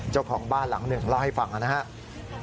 เจ้าของบ้านหลังหนึ่งเล่าให้ฟังนะครับ